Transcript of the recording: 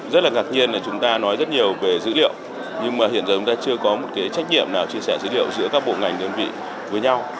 rất là ngạc nhiên là chúng ta nói rất nhiều về dữ liệu nhưng mà hiện giờ chúng ta chưa có một cái trách nhiệm nào chia sẻ dữ liệu giữa các bộ ngành đơn vị với nhau